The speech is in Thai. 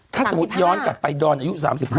ถ้าสมมุติย้อนกลับไปดอนอายุ๓๕